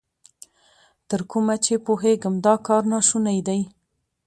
تر کومه چې پوهېږم، دا کار نا شونی دی.